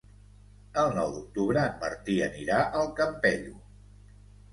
El nou d'octubre en Martí anirà al Campello.